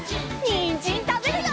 にんじんたべるよ！